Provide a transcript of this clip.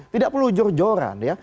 tidak perlu jor joran ya